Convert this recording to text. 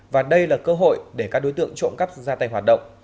và đây là cơ hội để các đối tượng trộm cắp ra tay hoạt động